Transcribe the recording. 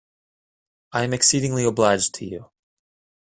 I am exceedingly obliged to you.